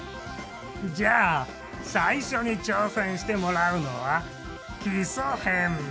じゃあ最初に挑戦してもらうのは基礎編。